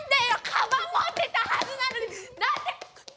カバンもってたはずなのになんでヘビ？